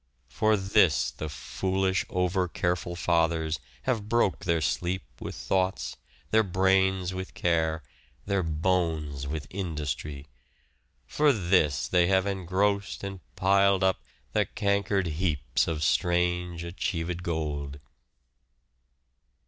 For this the foolish over careful fathers Have broke their sleep with thoughts, their brains with care, Their bones with industry ; For this they have engrossed and piled up The canker 'd heaps of strange achieved gold."